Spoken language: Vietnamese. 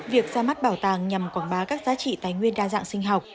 việc ra mắt bảo tàng nhằm quảng bá các giá trị tài nguyên đa dạng sinh học